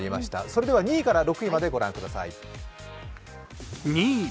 それでは２位から６位までご覧ください。